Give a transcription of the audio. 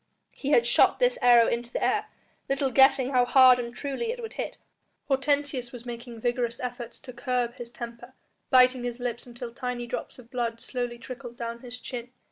He had shot this arrow into the air, little guessing how hard and truly it would hit. Hortensius was making vigorous efforts to curb his temper, biting his lips until tiny drops of blood slowly trickled down his chin.